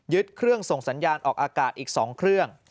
เครื่องส่งสัญญาณออกอากาศอีก๒เครื่อง